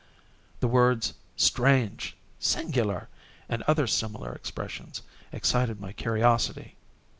The words "strange!" "singular!" and other similar expressions, excited my curiosity.